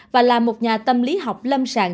và là một nhà tâm lý học lâm sàng